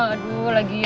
aduh lagian ya